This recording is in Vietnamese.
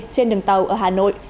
trên đường tàu ở hà nội